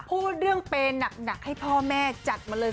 พูดเรื่องเปย์หนักให้พ่อแม่จัดมาเลย